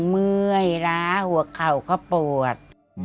เมื่อยล้าหัวเข่าก็ปวด